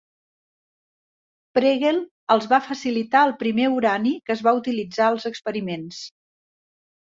Pregel els va facilitar el primer urani que es va utilitzar als experiments.